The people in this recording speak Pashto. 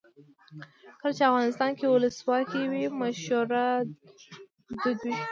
کله چې افغانستان کې ولسواکي وي مشوره دود وي.